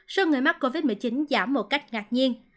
số người mắc covid một mươi chín giảm một cách ngạc nhiên